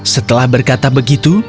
setelah berkata begitu